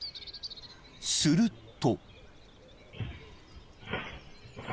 ［すると］